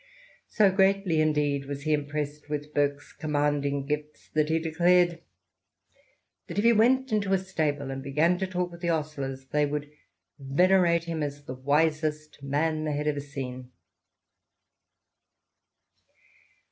So greatly, indeed, was he impressed with Burke's commanding gifts, that he declared that if he went into a stable and began to talk with the ostlers, they would "venerate him as the wisest man they had ever seen."